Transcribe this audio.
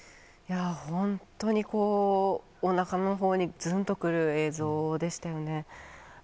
本当におなかのほうにずんとくる映像でしたよね。